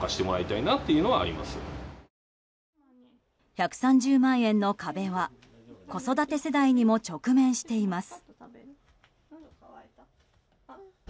１３０万円の壁は子育て世代にも直面しています。